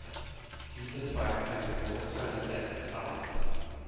Diese zweigten einen Großteil des Essens ab.